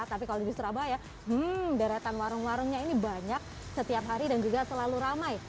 tapi kalau di surabaya hmm deretan warung warungnya ini banyak setiap hari dan juga selalu ramai